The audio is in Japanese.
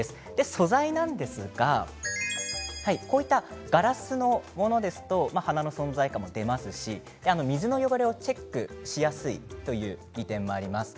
素材なんですがこういったガラスのものですと花の存在感も出ますし水の汚れをチェックしやすいという利点もあります。